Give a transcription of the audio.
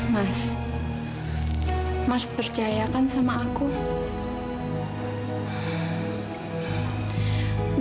mama lena akan membuktikan